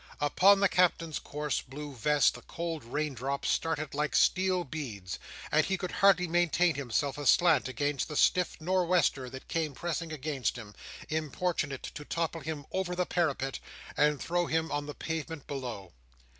Upon the Captain's coarse blue vest the cold raindrops started like steel beads; and he could hardly maintain himself aslant against the stiff Nor' Wester that came pressing against him, importunate to topple him over the parapet, and throw him on the pavement below.